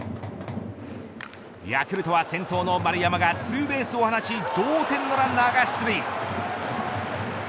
ヤクルトは先頭の丸山がツーベースを放ち同点のランナーが出塁。